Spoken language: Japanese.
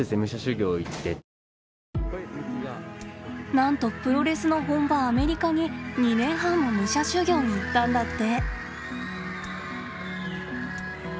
なんとプロレスの本場アメリカに２年半も武者修行に行ったんだって。